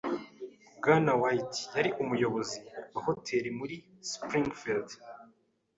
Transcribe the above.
Bwana White yari umuyobozi wa hoteri muri Springfield.